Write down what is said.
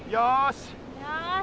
よし。